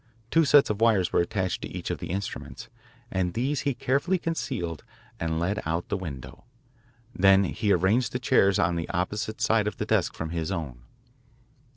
Two sets of wires were attached to each of the instruments, and these he carefully concealed and led out the window. Then he arranged the chairs on the opposite side of the desk from his own.